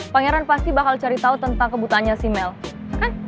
pangeran pasti bakal cari tau tentang kebutaannya si mel kan